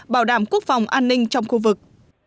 bảo đảm quốc phòng an ninh trong khu vực